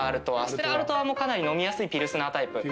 ステラアルトワもかなり飲みやすいピルスナータイプ。